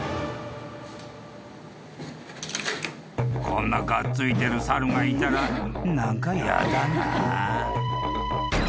［こんながっついてる猿がいたら何かやだな］